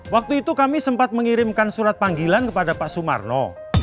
waktu itu kami sempat mengirimkan surat panggilan kepada pak sumarno